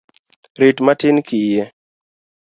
Rit matin kiyie.